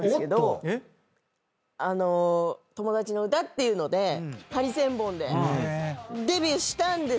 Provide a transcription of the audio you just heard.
ていうのでハリセンボンでデビューしたんですけど。